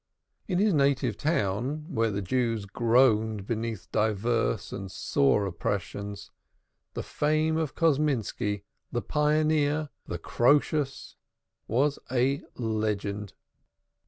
In his native town, where the Jews groaned beneath divers and sore oppressions, the fame of Kosminski, the pioneer, the Croesus, was a legend.